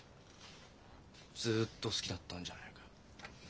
ずっと好きだったんじゃないか。